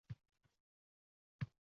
Iltimos, boshlamay turing, dadam eshitsa…